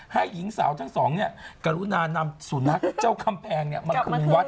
หญิงสาวทั้งสองกรุณานำสุนัขเจ้าคำแพงมาคืนวัด